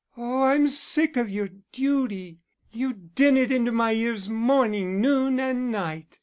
"Oh, I'm sick of your duty. You din it into my ears morning, noon, and night.